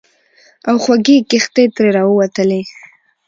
او خوږې کیښتې ترې راووتلې.